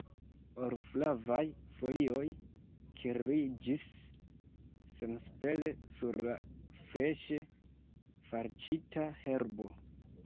Or-flavaj folioj kirliĝis senespere sur la freŝe falĉita herbo.